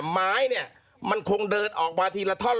ไม้เนี่ยมันคงเดินออกมาทีละท่อน